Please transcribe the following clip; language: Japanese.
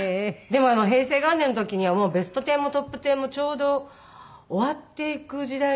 でも平成元年の時にはもう『ベストテン』も『トップテン』もちょうど終わっていく時代。